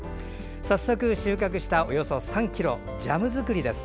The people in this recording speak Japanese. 早速、収穫したおよそ３ｋｇ、ジャム作りです。